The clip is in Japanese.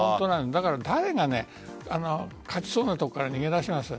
だから誰が勝ちそうなところから逃げ出します。